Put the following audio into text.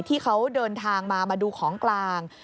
ที่เขาเดินทางมามาดูของกลาง